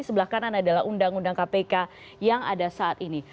sebelah kanan adalah undang undang kpk yang ada saat ini